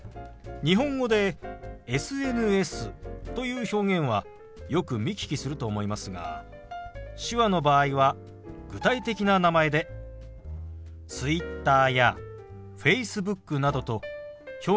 日本語でＳＮＳという表現はよく見聞きすると思いますが手話の場合は具体的な名前でＴｗｉｔｔｅｒやＦａｃｅｂｏｏｋなどと表現することが多いんですよ。